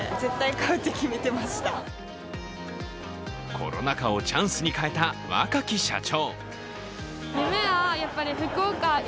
コロナ禍をチャンスに変えた若き社長。